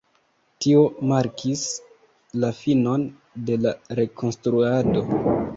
Tio markis la finon de la Rekonstruado.